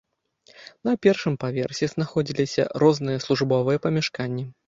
На першым паверсе знаходзіліся розныя службовыя памяшканні.